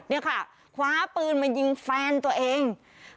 นี่ค่ะคว้าปืนมายิงแฟนตัวเอง